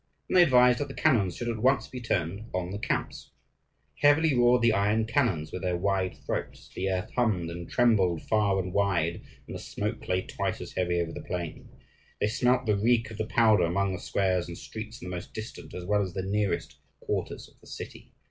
And they advised that the cannons should at once be turned on the camps. Heavily roared the iron cannons with their wide throats; the earth hummed and trembled far and wide, and the smoke lay twice as heavy over the plain. They smelt the reek of the powder among the squares and streets in the most distant as well as the nearest quarters of the city.